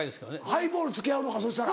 ハイボール付き合うのかそしたら。